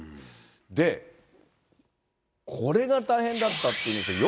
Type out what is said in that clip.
で、これが大変だったっていうんですよ。